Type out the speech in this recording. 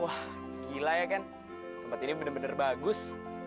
wah gila ya ken tempat ini bener bener bagus